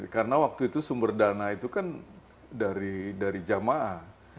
karena waktu itu sumber dana itu kan dari jamaah